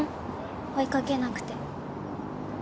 追いかけなくて。